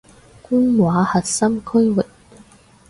官話核心區域